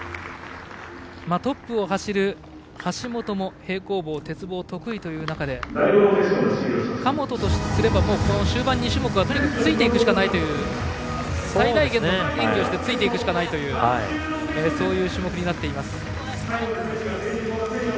トップを走る橋本も平行棒、鉄棒が得意という中で神本とすれば終盤２種目は最大限の演技をしてついていくしかないというそういう種目になっています。